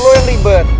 lo yang ribet